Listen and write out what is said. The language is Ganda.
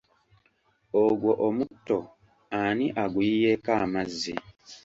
Ogwo omutto ani aguyiyeeko amazzi?